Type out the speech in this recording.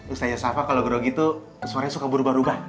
ustazah sapa kalau grogi itu suaranya suka berubah ubah